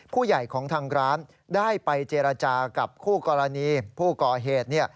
ผู้ใหญ่ของทางร้านได้ไปเจรจากับคู่กรณีผู้ก่อเหตุ